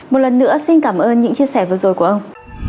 một lần nữa xin cảm ơn những chia sẻ vừa rồi của ông